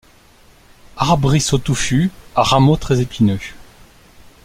Arbrisseau touffu à rameaux très épineux.